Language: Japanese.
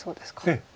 ええ。